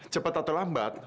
cepat atau lambat